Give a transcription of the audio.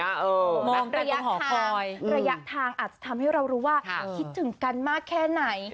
ระยะทางระยะทางอาจจะทำให้เรารู้ว่าคิดถึงกันมากแค่ไหน